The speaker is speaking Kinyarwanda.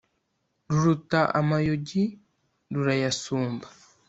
Ruruta amayogi rurayasumba.